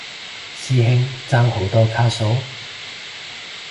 師兄爭好多卡數？